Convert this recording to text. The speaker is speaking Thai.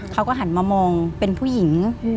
เขาก็หันมามองเป็นผู้หญิง